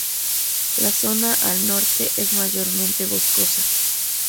La zona al norte es mayormente boscosa.